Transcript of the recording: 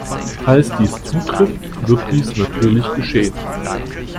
Falls dies zutrifft, wird dies natürlich geschehen.